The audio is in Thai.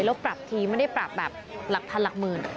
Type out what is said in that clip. แล้วปรับทีไม่ได้ปรับแบบหลักพันหลักหมื่น